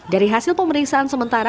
dari hasil pemeriksaan sementara